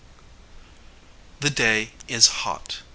] The day is hot.